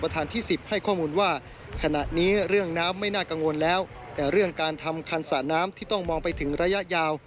แต่เรื่องการทำคันสระน้ำที่ต้องมองไปถึงระยะยาว